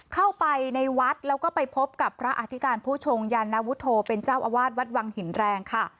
เข้าไปในวัดแล้วก็ไปพบกับพระอธิการผู้ชงยานวุฒโธเป็นเจ้าอาวาสวัดวังหินแรงค่ะ